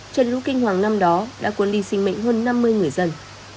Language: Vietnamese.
trận lũ kinh hoàng năm đó đã cuốn đi sinh mệnh hơn năm mươi người dân